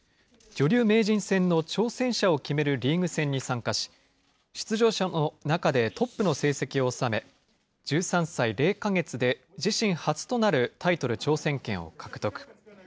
女流名人戦の挑戦者を決めるリーグ戦に参加し、出場者の中でトップの成績を収め、１３歳０か月で自身初となるタイトル挑戦権を獲得。